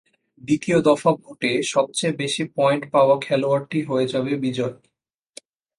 দ্বিতীয় দফা ভোটে সবচেয়ে বেশি পয়েন্ট পাওয়া খেলোয়াড়টি হয়ে যাবে বিজয়ী।